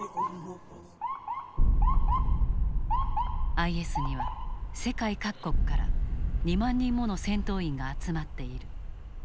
ＩＳには世界各国から２万人もの戦闘員が集まっている。